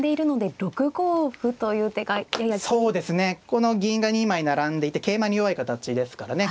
この銀が２枚並んでいて桂馬に弱い形ですからね